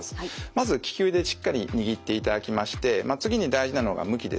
まず利き腕でしっかり握っていただきまして次に大事なのが向きです。